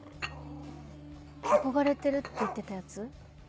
「憧れてる」って言ってたやつ？